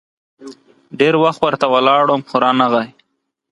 ډېر وخت ورته ولاړ وم ، خو رانه غی.